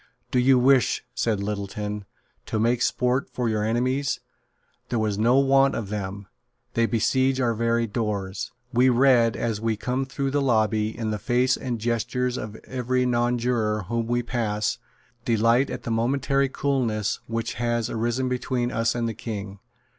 "Do you wish," said Littleton, "to make sport for your enemies? There is no want of them. They besiege our very doors. We read, as we come through the lobby, in the face and gestures of every nonjuror whom we pass, delight at the momentary coolness which has arisen between us and the King.